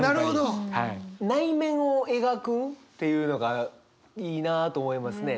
なるほど！っていうのがいいなと思いますね。